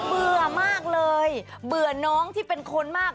เบื่อมากเลยเบื่อน้องที่เป็นคนมาก